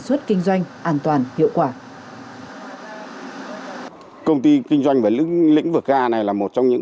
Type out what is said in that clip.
xuất kinh doanh an toàn hiệu quả công ty kinh doanh và lĩnh vực ga này là một trong những